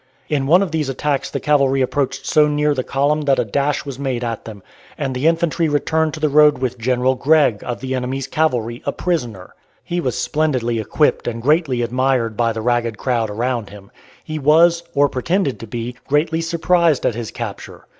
In one of these attacks the cavalry approached so near the column that a dash was made at them, and the infantry returned to the road with General Gregg, of the enemy's cavalry, a prisoner. He was splendidly equipped and greatly admired by the ragged crowd around him. He was, or pretended to be, greatly surprised at his capture.